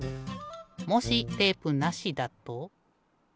もしテープなしだと。